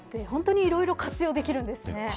本当にいろいろ活用できるんですね。